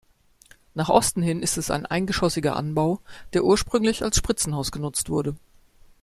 Nach Osten hin ist ein eingeschossiger Anbau, der ursprünglich als Spritzenhaus genutzt wurde.